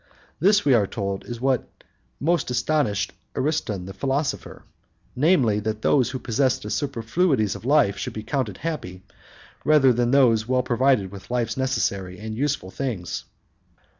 This, we are told, is what most astonished Ariston the philosopher, namely, that those possessed of the superfluities of life should be counted happy, rather than those well provided with life's necessary and useful things.